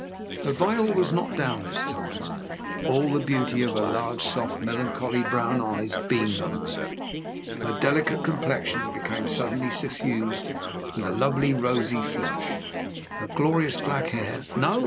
Her veil was not down this time. All the beauty of her large, soft, melancholy, brown eyes beamed on me. Her delicate complexion became suddenly suffused with a lovely rosy flush. Her glorious black hair no!